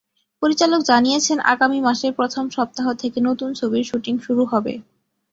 পরিচালক জানিয়েছেন, আগামী মাসের প্রথম সপ্তাহ থেকে নতুন ছবির শুটিং শুরু হবে।